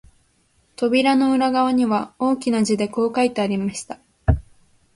扉の裏側には、大きな字でこう書いてありました